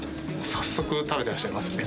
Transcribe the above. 早速食べてらっしゃいますね。